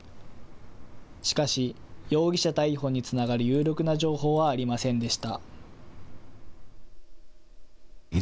しかし容疑者逮捕につながる有力な情報はありませんでした。